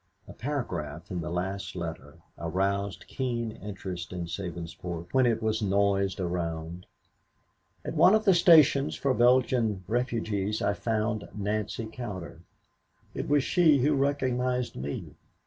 A paragraph in a last letter aroused keen interest in Sabinsport when it was noised around. "At one of the stations for Belgian refugees I found Nancy Cowder. It was she who recognized me.